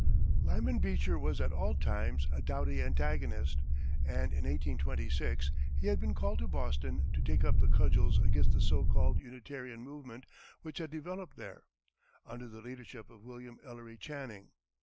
Lyman Beecher was at all times a doughty antagonist, and in 1826 he had been called to Boston to take up the cudgels against the so called Unitarian movement which had developed there, under the leadership of William Ellery Channing.